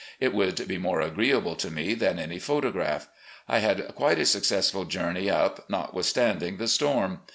It would be more agreeable to me than any photograph. I had qiaite a successful journey up, notwithstanding the storm.